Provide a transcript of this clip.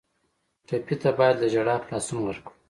ټپي ته باید له ژړا خلاصون ورکړو.